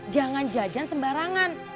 jangan jajan sembarangan